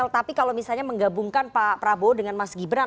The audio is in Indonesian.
tapi kalau misalnya menggabungkan pak prabowo dengan mas gibran